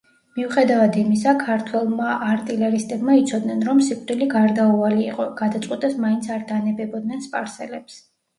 მიუხედავად იმისა, ქართველმა არტილერისტებმა იცოდნენ, რომ სიკვდილი გარდაუვალი იყო, გადაწყვიტეს მაინც არ დანებებოდნენ სპარსელებს.